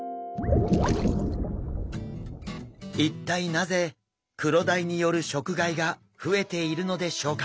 一体なぜクロダイによる食害が増えているのでしょうか？